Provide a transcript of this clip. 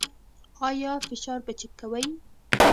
ایا فشار به چیک کوئ؟